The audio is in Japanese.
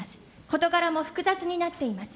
事柄も複雑になっています。